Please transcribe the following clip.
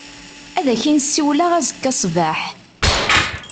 Ad ak-n-siwleɣ azekka ṣṣbeḥ.